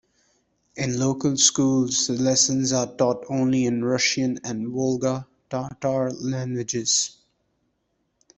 In local schools the lessons are taught only in Russian and Volga Tatar languages.